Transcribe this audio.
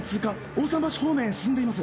大さん橋方面へ進んでいます！